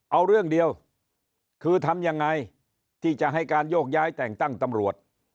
เอาเรื่องเดียวคือทำยังไงที่จะให้การโยกย้ายแต่งตั้งตำรวจ